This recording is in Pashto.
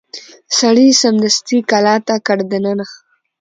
سړي سمدستي کلا ته کړ دننه